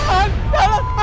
aku gak mau